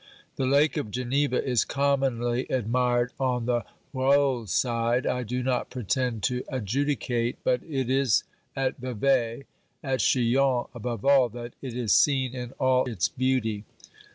The lake of Geneva is commonly admired on the Rolle side ; I do not pretend to adjudicate, but it is at Vevey — at Chillon above all — that it is seen in all its beauty.